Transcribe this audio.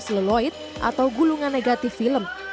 seleloid atau gulungan negatif film